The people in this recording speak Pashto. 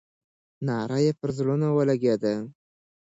ناره یې پر زړونو ولګېده.